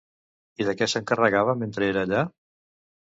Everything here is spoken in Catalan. I de què s'encarregava mentre era allà?